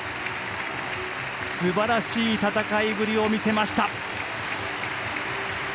すばらしい戦いぶりを見せました。